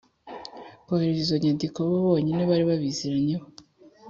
kohereza izo nyandiko bo bonyine bari babiziranyeho